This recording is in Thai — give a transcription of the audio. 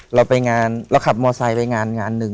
เราขับมอสไซค์ไปงานหนึ่ง